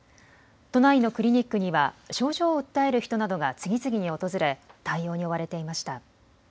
都内のクリニックには症状を訴える人などが次々に訪れ対応に追われていました。